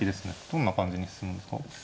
どんな感じに進むんですか。